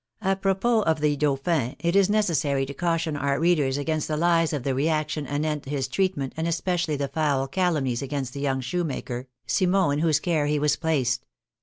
Apropos of the dauphin, it is necessary to caution our readers against the lies of the reaction anent his treat ment, and especially the foul calumnies against the young shoemaker, Simon, in whose care he was placed.